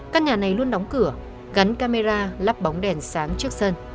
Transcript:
căn nhà này luôn đóng cửa gắn camera lắp bóng đèn sáng trước sân